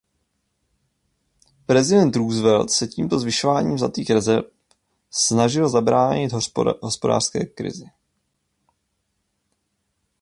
Prezident Roosevelt se tímto zvyšováním zlatých rezerv snažil zabránit hospodářské krizi.